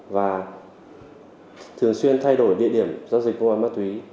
và thường xuyên thay đổi địa điểm giao dịch qua ma túy